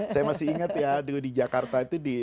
saya masih ingat ya di jakarta itu di